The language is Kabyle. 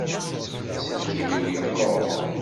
Aselkim-iw yeqquṛ.